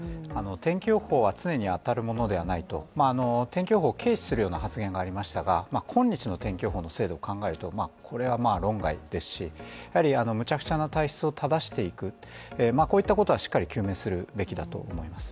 天気予報は常に当たるものではないと、天気予報軽視するような発言がありましたがこんにちの天気予報の精度を考えるとこれは論外ですし、やはりあの無茶苦茶な体質を正していく、こういったことはしっかり究明するべきだと思います。